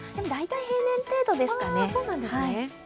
大体、平年程度ですかね。